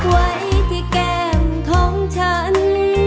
ไว้ที่แก้มของฉัน